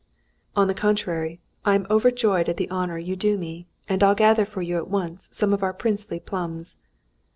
"On the contrary, I am overjoyed at the honour you do me, and I'll gather for you at once some of our princely plums."